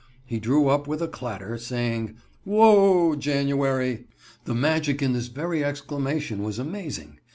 He drew up with a clatter, saying: "Whoa, January!" The magic in this very exclamation was amazing.